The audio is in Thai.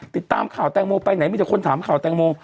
ติดตามข่าวแตงโมไปไหนมีแต่คนถามข่าวแตงโม